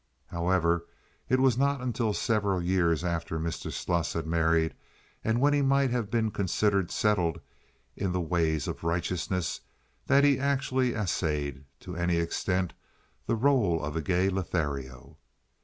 However, it was not until several years after Mr. Sluss had married, and when he might have been considered settled in the ways of righteousness, that he actually essayed to any extent the role of a gay Lothario.